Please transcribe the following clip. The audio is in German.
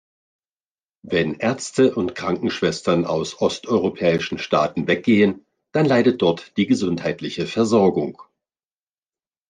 Wenn Ärzte und Krankenschwestern aus osteuropäischen Staaten weggehen, dann leidet dort die gesundheitliche Versorgung.